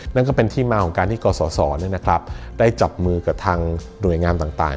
นั่นก็เป็นที่มาของการที่กศได้จับมือกับทางหน่วยงานต่าง